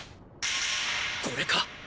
これか！